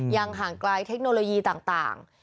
ยังห่างกลายเทคโนโลยีต่าง